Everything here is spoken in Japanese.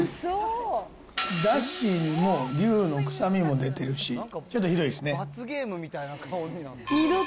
だしにもう牛の臭みも出てるし、ちょっとひどいですね。